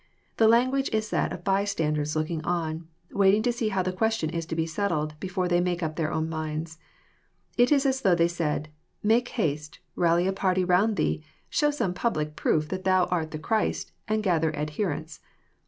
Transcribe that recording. The language is that of bystanders looking on, waiting to see how the question is to be settled, before they make up their own minds. It is as though they said,—*' Make haste, rally a party round Thee, show some public proof that Thou art the Christ, and gather adherents."